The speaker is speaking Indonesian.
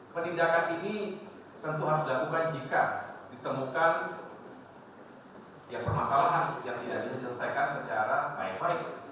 penindakan ini tentu harus dilakukan jika ditemukan permasalahan yang tidak diselesaikan secara main main